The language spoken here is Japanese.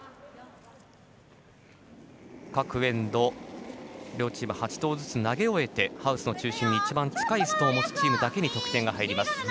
各エンド、両チーム８投ずつ投げ終えてハウスの中心に一番近いストーンを持つチームだけに得点が入ります。